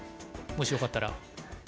もしよかったら。